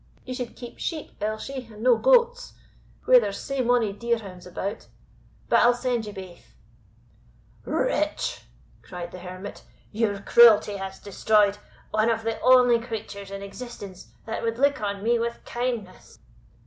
Ye suld keep sheep, Elshie, and no goats, where there's sae mony deerhounds about but I'll send ye baith." "Wretch!" said the Hermit, "your cruelty has destroyed one of the only creatures in existence that would look on me with kindness!"